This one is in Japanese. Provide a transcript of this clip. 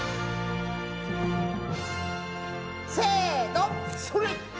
せのそれ！